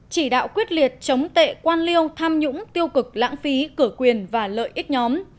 chỉ đạo quyết liệt chống tệ quan liêu tham nhũng tiêu cực lãng phí cửa quyền và lợi ích nhóm